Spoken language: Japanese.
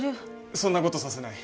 そんな事させない。